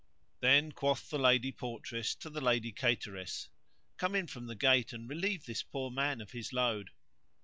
Then quoth the lady portress to the lady cateress, "Come in from the gate and relieve this poor man of his load."